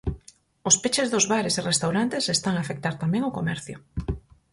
Os peches dos bares e restaurantes están a afectar tamén o comercio.